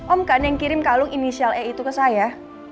om kan yang kirim kalung inisial e itu ke saya